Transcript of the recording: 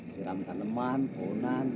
siram taneman pohonan